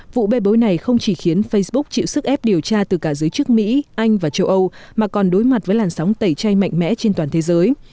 vụ bê bối này không chỉ khiến facebook chịu sức ép điều tra từ cả giới chức mỹ anh và châu âu mà còn đối mặt với làn sóng tẩy chay mạnh mẽ trên toàn thế giới